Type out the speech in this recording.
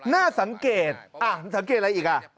น่าสังเกตน่าสังเกตอะไรอีก